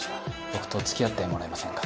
僕と付き合ってもらえませんか？